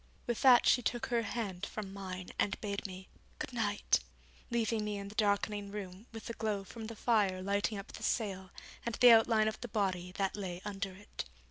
With that she took her hand from mine and bade me 'good night', leaving me in the darkening room with the glow from the fire lighting up the sail and the outline of the body that lay under it.